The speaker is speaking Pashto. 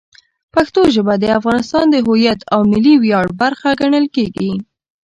پښتو ژبه د افغانستان د هویت او ملي ویاړ برخه ګڼل کېږي.